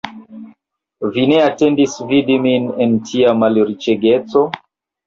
Vi ne atendis vidi min en tia malriĉegeco?